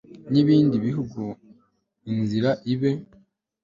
n'ibindi bihugu, inzira ibe